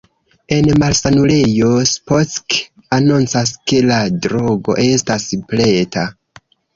En malsanulejo, Spock anoncas, ke la drogo estas preta.